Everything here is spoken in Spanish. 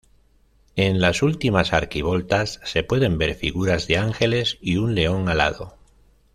En las últimas arquivoltas se pueden ver figuras de ángeles y un león alado.